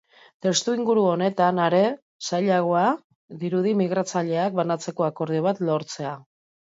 Testuinguru honetan, are zailagoa dirudi migratzaileak banatzeko akordio bat lortzea.